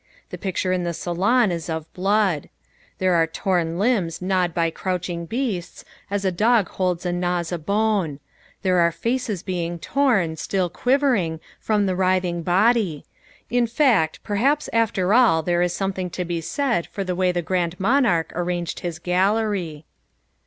The picture in the Salon is of blood. There are torn limbs gnawed by crouching beasts, as a dog holds and gnaws a bone; there are faces being torn, still quivering, from the writhing body, in fact, perhaps after all there is something to be said for the way the Grand Monarch arranged his gallery.